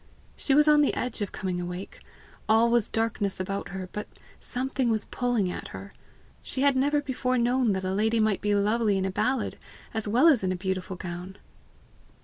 She was on the edge of coming awake; all was darkness about her, but something was pulling at her! She had never known before that a lady might be lovely in a ballad as well as in a beautiful gown!